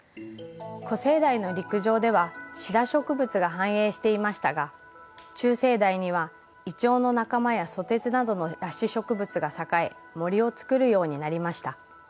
古生代の陸上ではシダ植物が繁栄していましたが中生代にはイチョウの仲間やソテツなどの裸子植物が栄え森を作るようになりました。